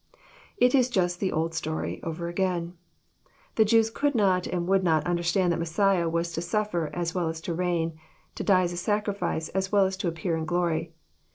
— It is just the old story over again. The Jews conld not and would not understand that Messiah was to suffer as well as to reign, to die as a Sacrifice as well as to appear in glory.